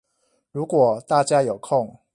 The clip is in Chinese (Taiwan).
如果大家有空